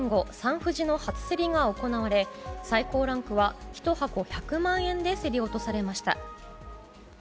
ふじの初競りが行われ最高ランクは１箱１００万円で競り落とされました。